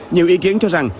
nhiều ý kiến cho rằng